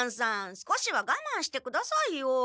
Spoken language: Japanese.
少しはがまんしてくださいよ。